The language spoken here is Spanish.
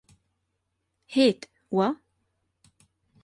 Heat, Wha!